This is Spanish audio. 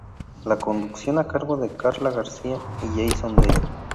La conducción a cargo de Carla García y Jason Day.